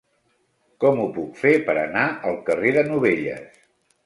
Com ho puc fer per anar al carrer de Novelles?